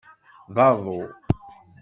D aḍu.